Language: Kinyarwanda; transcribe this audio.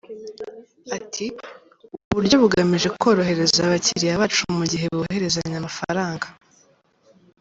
Ati “ Ubu buryo bugamije korohereza abakiliya bacu mu gihe bohererezanya amafaranga.